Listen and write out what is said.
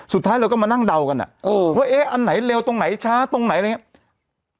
สุดท้ายเราก็มานั่งเดากันอ่ะเออว่าเอ๊ะอันไหนเร็วตรงไหนช้าตรงไหนอะไรอย่างนี้